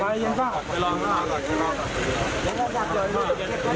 เขาทำงานทำงาน